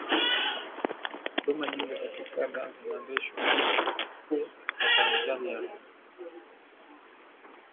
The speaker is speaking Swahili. huduma nyingi za kifedha zinaendeshwa na benki kuu ya tanzania